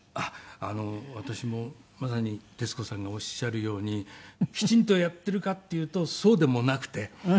私もまさに徹子さんがおっしゃるようにきちんとやっているかっていうとそうでもなくて。